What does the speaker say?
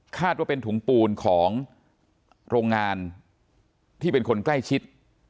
ว่าเป็นถุงปูนของโรงงานที่เป็นคนใกล้ชิด